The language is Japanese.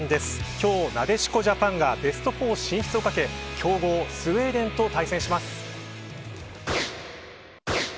今日、なでしこジャパンがベスト４進出をかけ強豪スウェーデンと対決します。